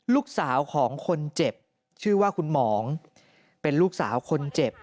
ลูกสาวของคนเจ็บชื่อว่าคุณหมองเป็นลูกสาวคนเจ็บ